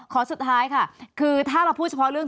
ขอสุดท้ายค่ะถ้ามาพูดเฉพาะเรื่อง